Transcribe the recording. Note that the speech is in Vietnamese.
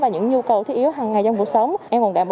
và những nhu cầu thiếu hàng ngày trong cuộc sống